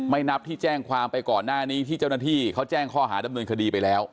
นับที่แจ้งความไปก่อนหน้านี้ที่เจ้าหน้าที่เขาแจ้งข้อหาดำเนินคดีไปแล้ว